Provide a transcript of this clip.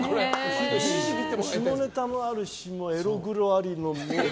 下ネタもあるし、エログロあり。